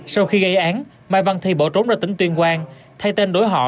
sau khi gây án mai văn thi bỏ trốn ra tỉnh tuyên quang thay tên đổi họ